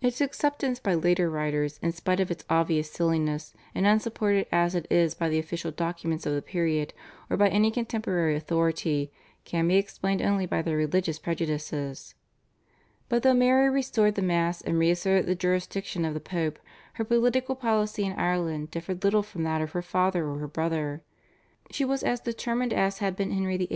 Its acceptance by later writers, in spite of its obvious silliness, and unsupported as it is by the official documents of the period, or by any contemporary authority, can be explained only by their religious prejudices. But though Mary restored the Mass and re asserted the jurisdiction of the Pope, her political policy in Ireland differed little from that of her father or her brother. She was as determined as had been Henry VIII.